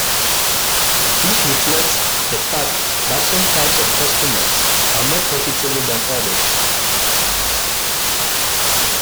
This reflects the fact that some types of customers are more profitable than others.